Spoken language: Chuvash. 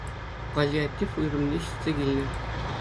Паллиатив уйрӑмне ҫитсе килнӗ